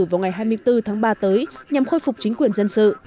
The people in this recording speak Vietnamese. vào ngày hai mươi bốn tháng ba tới nhằm khôi phục chính quyền dân sự